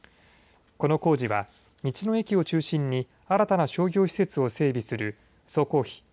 この工事は道の駅を中心に新たな商業施設を整備する総工費